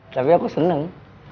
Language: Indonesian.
tapi aku seneng